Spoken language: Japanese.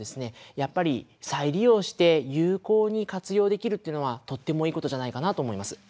やっぱり再利用して有効に活用できるっていうのはとってもいいことじゃないかなと思います。